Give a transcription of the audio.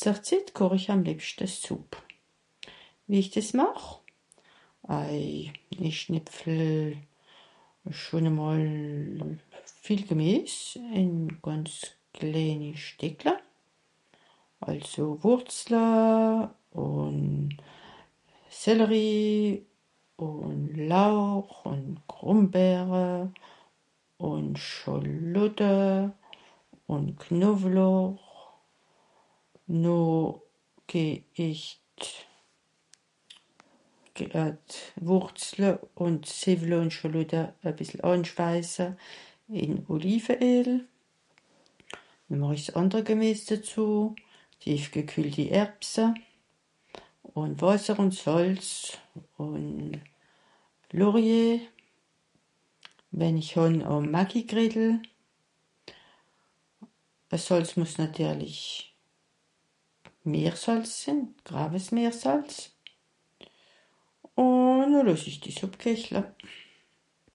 Zer Zitt koch ìch àm lìebschte Sùpp. Wie ìch dìs màch ? ah... ìch schnìpfl schon e mol vìel Gemìes ìn gànz klèni Stìckla. Àlso Wùrzla, ùn Céleri ùn Lauch ùn Grùmbeere ùn Schàlotte ùn Knowlauch, noh geh ìch d'Wùrzle ùn d'Zìwwle ùn d'Schàlotte e bìssel ànschweise ìn Oliveél. Noh màch ìch s'àndre Gemìes de dezù. (...) ùn Wàsser àn Sàlz ùn Laurier. Wenn ìch hàn e (...). De Sàlz mues nàtirlich... mehr sàlz sìnn, (...) mehr Sàlz. Ùn loss ìch dìs àbkìechle.